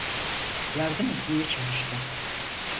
Yardım etmeye çalıştım.